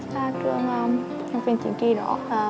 và trường nhân viên chính kỳ đó